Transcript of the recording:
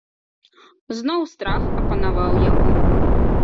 Зноў страх апанаваў яго.